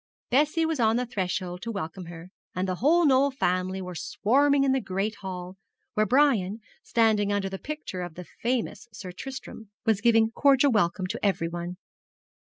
Bessie was on the threshold to welcome her, and the whole Knoll family were swarming in the great hall, where Brian, standing under the picture of the famous Sir Tristram, was giving cordial welcome to everyone.